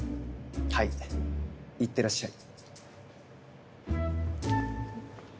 はいいってらっしゃい。